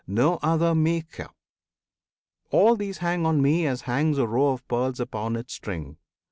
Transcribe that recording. No other Maker! All these hang on me As hangs a row of pearls upon its string.